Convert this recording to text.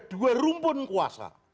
dua rumpun kuasa